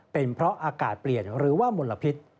เป็นเพราะอากาศเปลี่ยนหรือว่ามลพิษ